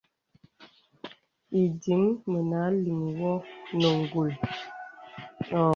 Ìdìŋ mə aliŋ wɔ nə ǹgùl.